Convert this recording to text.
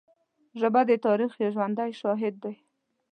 ژبه د تاریخ یو ژوندی شاهد دی